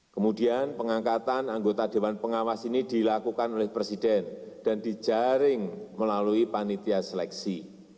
kemudian pengangkatan anggota dewan pengawas ini dilakukan oleh presiden dan dijaring melalui panitia seleksi